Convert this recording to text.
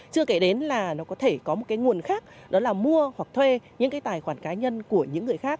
chưa kể đến là nó có thể có một cái nguồn khác đó là mua hoặc thuê những cái tài khoản cá nhân của những người khác